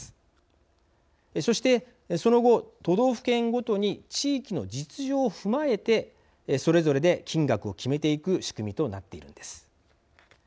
そしてその後都道府県ごとに地域の実情を踏まえてそれぞれで金額を決めていく仕組みとなっているんです。